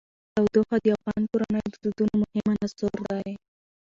تودوخه د افغان کورنیو د دودونو مهم عنصر دی.